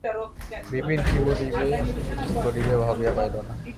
বিপিন কী বলিবে কী করিবে ভাবিয়া পাইল না।